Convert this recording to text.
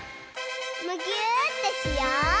むぎゅーってしよう！